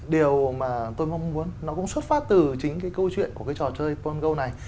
điều mà tôi mong muốn nó cũng xuất phát từ chính cái câu chuyện của cái trò chơi pol này